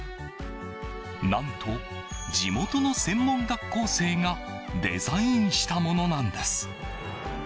何と地元の専門学校生がデザインしたものなんです。